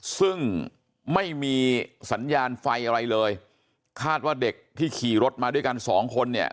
ซึ่งไม่มีสัญญาณไฟอะไรเลยคาดว่าเด็กที่ขี่รถมาด้วยกันสองคนเนี่ย